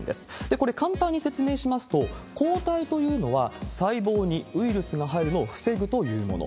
これ、簡単に説明しますと、抗体というのは細胞にウイルスが入るのを防ぐというもの。